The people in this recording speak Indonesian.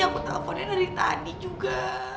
aku teleponnya dari tadi juga